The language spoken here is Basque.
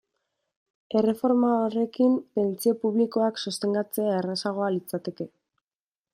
Erreforma horrekin, pentsio publikoak sostengatzea errazagoa litzateke.